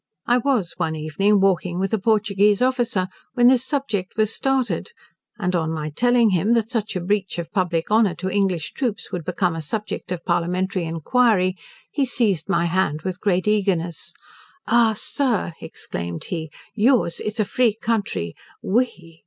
I was one evening walking with a Portuguese officer, when this subject was started, and on my telling him, that such a breach of public honour to English troops would become a subject of parliamentary enquiry, he seized my hand with great eagerness, "Ah, Sir!" exclaimed he, "yours is a free country we"!